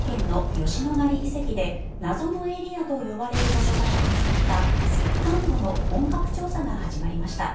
昨日、佐賀県の吉野ヶ里遺跡で謎のエリアと呼ばれる場所から見つかった石棺墓の本格調査が始まりました。